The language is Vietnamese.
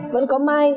vẫn có mai